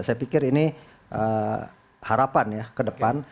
saya pikir ini harapan ya ke depan